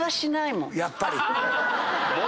やっぱり。